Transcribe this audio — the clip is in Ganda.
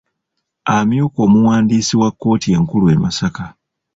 Amyuka omuwandiisi wa kooti enkulu e Masaka.